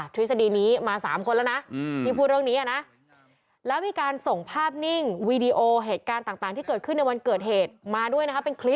ทฤษฎีนี้มา๓คนแล้วนะที่พูดเรื่องนี้นะแล้วมีการส่งภาพนิ่งวีดีโอเหตุการณ์ต่างที่เกิดขึ้นในวันเกิดเหตุมาด้วยนะครับเป็นคลิป